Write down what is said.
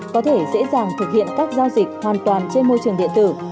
có thể dễ dàng thực hiện các giao dịch hoàn toàn trên môi trường điện tử